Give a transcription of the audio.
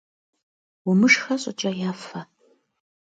Умышхэ щӏыкӏэ ефэ!